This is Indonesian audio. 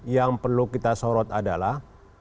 yang perlu kita sorot adalah